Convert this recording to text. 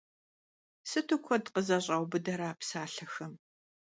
Sıtu kued khızeş'aubıdere a psalhexem!